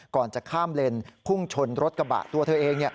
ก่อนจะข้ามเลนพุ่งชนรถกระบะตัวเธอเอง